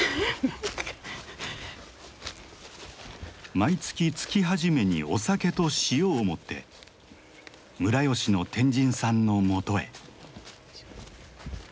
毎月月初めにお酒と塩を持って村吉の天神さんのもとへ。